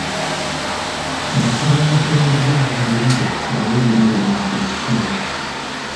Nsaba abakulembeze abalayidde bawe ebirayiro byabwe ekitiibwa .